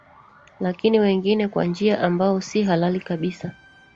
lakini wengine kwa njia ambao si halali kabisa